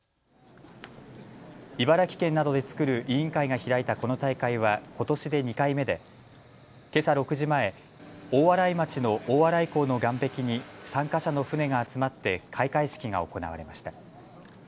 茨城県などで作る委員会が開いたこの大会はことしで２回目でけさ６時前、大洗町の大洗港の岸壁に参加者の船が集まって開会式が行われました。